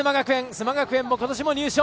須磨学園もことしも入賞。